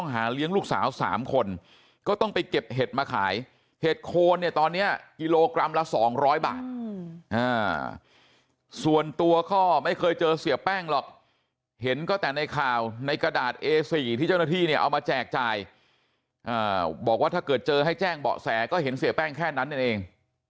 หาเลี้ยงลูกสาว๓คนก็ต้องไปเก็บเห็ดมาขายเห็ดโคนเนี่ยตอนเนี้ยกิโลกรัมละ๒๐๐บาทส่วนตัวก็ไม่เคยเจอเสียแป้งหรอกเห็นก็แต่ในข่าวในกระดาษเอสี่ที่เจ้าหน้าที่เนี่ยเอามาแจกจ่ายบอกว่าถ้าเกิดเจอให้แจ้งเบาะแสก็เห็นเสียแป้งแค่นั้นนั่นเอง